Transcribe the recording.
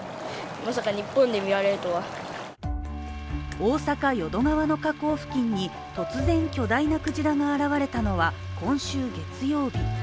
大阪・淀川の河口付近に、突然巨大なクジラが現れたのは、今週月曜日。